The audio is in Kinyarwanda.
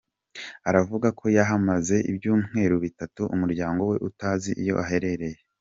Aravuga ko yahamaze ibyumweru bitatu umuryango we utazi iyo aherereye.